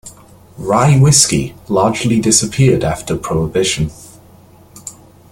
Rye whiskey largely disappeared after Prohibition.